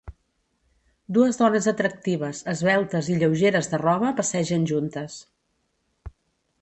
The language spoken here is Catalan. Dues dones atractives, esveltes i lleugeres de roba passegen juntes.